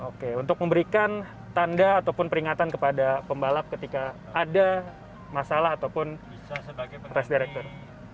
oke untuk memberikan tanda ataupun peringatan kepada pembalap ketika ada masalah ataupun press director